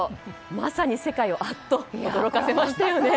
まさに世界をあっと驚かせましたよね。